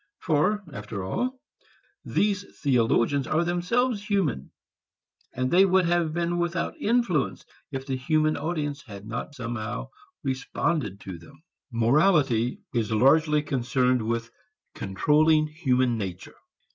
For after all these theologians are themselves human, and they would have been without influence if the human audience had not somehow responded to them. Morality is largely concerned with controlling human nature.